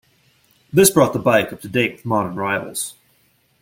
This brought the bike up to date with modern rivals.